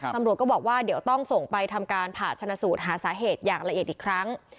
ตำรวจก็บอกว่าเดี๋ยวต้องส่งไปทำการผ่าชนะสูตรหาสาเหตุอย่างละเอียดอีกครั้ง